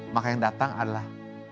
maka yang datang adalah